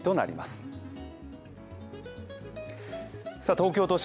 東京都心